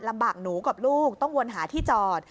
ลำบากหนูกับลูกต้องวนหาที่จอด